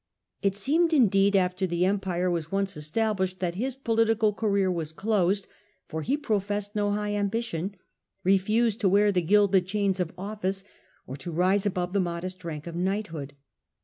It seemed, indeed, after the Empire was once established that his political career was closed, for he professed no Avoided ambition, refused to wear the gilded official rank, chains of office, or to rise above the modest rank of knighthood.